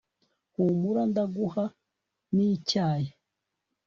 humura ndaguha nicyayi